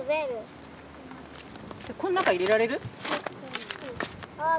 この中入れられる？